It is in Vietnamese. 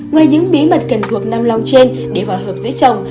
ngoài những bí mật cần thuộc năm lòng trên để hòa hợp giữa chồng